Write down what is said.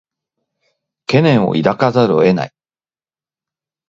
懸念を抱かざるを得ない